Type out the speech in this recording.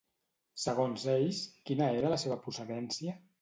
Segons ells, quina era la seva procedència?